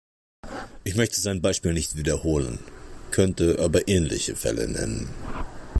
Ich möchte sein Beispiel nicht wiederholen, könnte aber ähnliche Fälle nennen.